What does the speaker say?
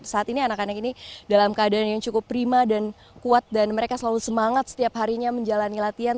saat ini anak anak ini dalam keadaan yang cukup prima dan kuat dan mereka selalu semangat setiap harinya menjalani latihan